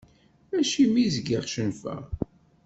Acimi zgiɣ cennfeɣ?